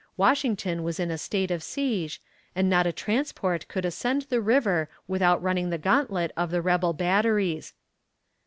Washington was in a state of siege, and not a transport could ascend the river without running the gauntlet of the rebel batteries.